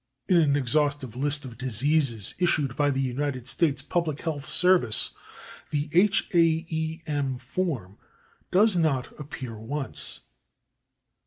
In an exhaustive list of diseases issued by the United States Public Health [Pg253] Service the /haem/ form does not appear once.